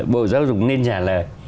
bộ giáo dục nên trả lời